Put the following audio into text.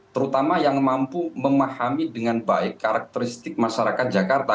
terutama yang mampu memahami dengan baik karakteristik masyarakat jakarta